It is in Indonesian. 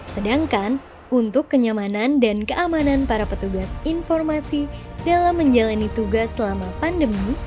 sedangkan untuk kenyamanan dan keamanan para petugas informasi dalam menjalani tugas selama pandemi